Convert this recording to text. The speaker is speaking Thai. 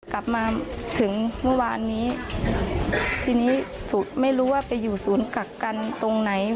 กลับมาถึงเมื่อวานนี้ทีนี้ไม่รู้ว่าไปอยู่ศูนย์กักกันตรงไหน